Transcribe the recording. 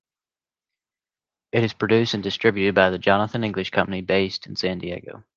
It is produced and distributed by the Jonathan English Company, based in San Diego.